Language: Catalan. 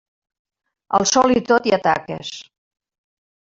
Al sol i tot hi ha taques.